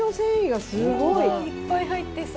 いっぱい入ってそう。